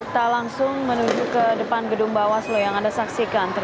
tak langsung menuju ke depan gedung bawaslu yang anda saksikan